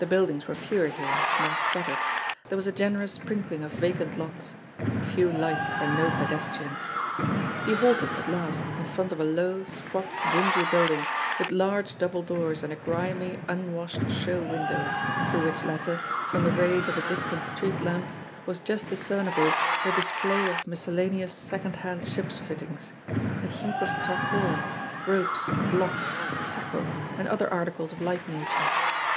The buildings were fewer here, more scattered ; there was a generous sprinkling of vacant lots ; few lights, and no pedestrians. He halted at last in front of a low, squat, dingy building, with large double doors and a grimy, unwashed show window, through which latter, from the rays of a dis tant street lamp, was just discernible a display of miscel laneous second hand ships' fittings a heap of tarpaulin, ropes, blocks, tackles and other articles of like nature.